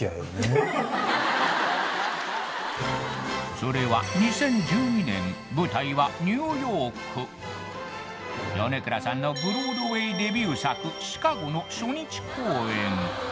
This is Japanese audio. それは２０１２年舞台はニューヨーク米倉さんのブロードウェイデビュー作「ＣＨＩＣＡＧＯ」の初日公演